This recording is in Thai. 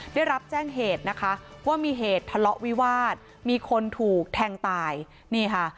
ได้รับแจ้งเหตุนะคะว่ามีเหตุทะเลาะวิวาสมีคนถูกแทงตายนี่ค่ะ